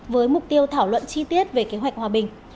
với mục tiêu thảo luận chi tiết về kế hoạch hòa bình